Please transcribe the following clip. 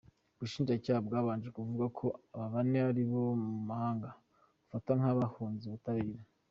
Ubushinjacyaha bwabanje kuvuga ko aba bane bari mu mahanga, bafatwa nk'abahunze ubutabera.